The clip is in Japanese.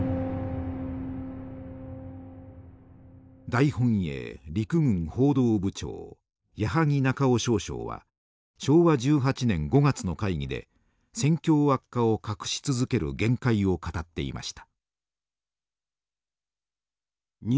大本営陸軍報道部長谷萩那華雄少将は昭和１８年５月の会議で戦況悪化を隠し続ける限界を語っていました。